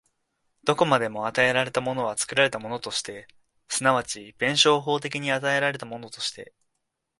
どこまでも与えられたものは作られたものとして、即ち弁証法的に与えられたものとして、